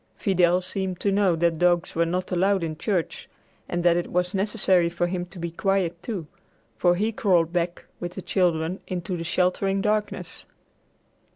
Fidel seemed to know that dogs were not allowed in church and that it was necessary for him to be quiet, too, for he crawled back with the children into the sheltering darkness.